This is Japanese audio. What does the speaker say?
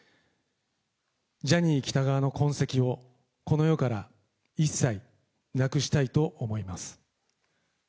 ジャニー喜多川の痕跡を、この世から一切なくしたいと思います。